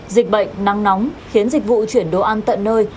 dịch bệnh nắng nóng khiến dịch vụ chuyển đồ ăn tận nơi